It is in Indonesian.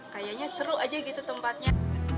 kayaknya seru saja tempatnya